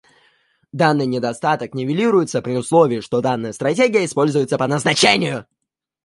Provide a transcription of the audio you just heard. Данный недостаток нивелируется при условии, что данная стратегия используется по назначению